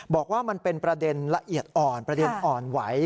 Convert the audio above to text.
บอกว่ามันเป็นประเด็นละเอียดอ่อนประเด็นอ่อนไหว